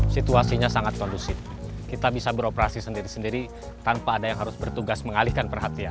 situasinya sangat kondusif kita bisa beroperasi sendiri sendiri tanpa ada yang harus bertugas mengalihkan perhatian